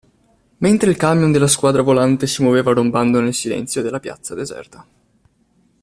Mentre il camion della Squadra Volante si muoveva rombando nel silenzio della piazza deserta.